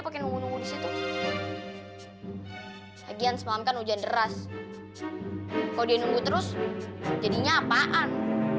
pakai nunggu nunggu di situ pagi semalam kan hujan deras kok dia nunggu terus jadinya apaan